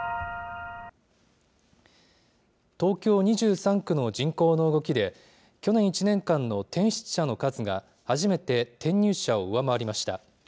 東京２３区の人口の動きで、去年１年間の転出者の数が初めて転入者を上回りました。